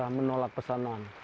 sudah menolak pesanan